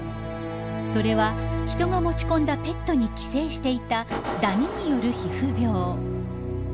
それは人が持ち込んだペットに寄生していたダニによる皮膚病。